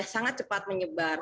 sangat cepat menyebar